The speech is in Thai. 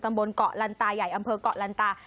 บนเกาะลันตาใหญ่อำเภอกเกาะลันตา